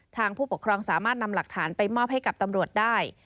ผู้ปกครองสามารถนำหลักฐานไปมอบให้กับตำรวจได้